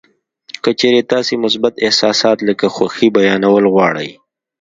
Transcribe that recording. که چېرې تاسې مثبت احساسات لکه خوښي بیانول غواړئ